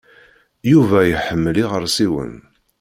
Yuba iḥemmel iɣersiwen.